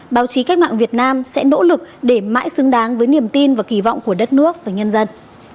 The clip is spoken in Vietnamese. báo chí cách mạng việt nam sẽ nỗ lực để mãi xứng đáng với niềm tin và kỳ vọng của đất nước và nhân dân